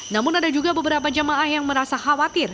namun ada juga beberapa jemaah yang merasa khawatir